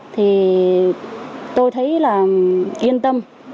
thì tôi thấy là yên tâm